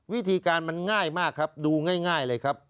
วิธีการมันง่ายมากครับดูง่ายเลยครับ